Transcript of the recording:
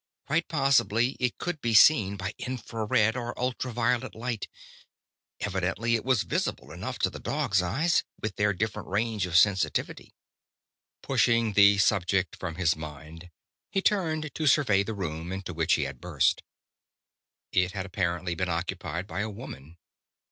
Quite possibly it could be seen by infra red or ultra violet light evidently it was visible enough to the dog's eyes, with their different range of sensitivity. Pushing the subject from his mind, he turned to survey the room into which he had burst. It had apparently been occupied by a woman.